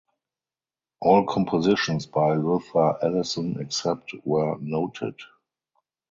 All compositions by Luther Allison except where noted